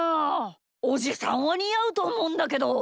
おじさんはにあうとおもうんだけど。